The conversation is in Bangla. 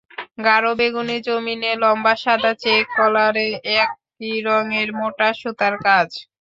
গাঢ় বেগুনি জমিনে লম্বা সাদা চেক, কলারে একই রঙের মোটা সুতার কাজ।